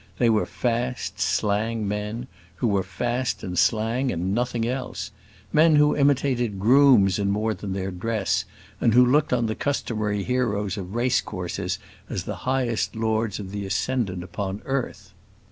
They were fast, slang men, who were fast and slang, and nothing else men who imitated grooms in more than their dress, and who looked on the customary heroes of race courses as the highest lords of the ascendant upon earth.